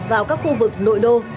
vào các khu vực nội đô